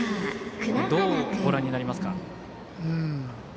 どうご覧になりますか。